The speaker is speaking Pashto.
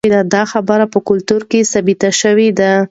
دا خبره په کلتور کې ثابته شوې ده.